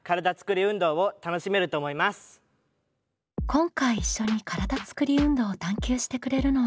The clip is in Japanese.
今回一緒に体つくり運動を探究してくれるのは。